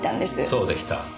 そうでした。